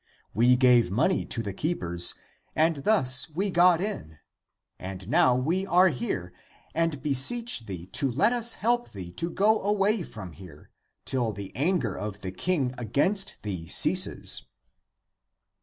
We gave money to the keepers and thus we got in, and now we are here and beseech thee to let us help thee to go away from here, till the anger of the king against thee ceases."